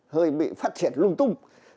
hơi bị phát triển lung tung